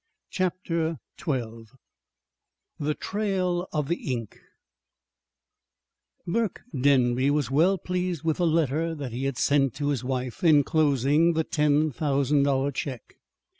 CHAPTER XII THE TRAIL OF THE INK Burke Denby was well pleased with the letter that he had sent to his wife, enclosing the ten thousand dollar check.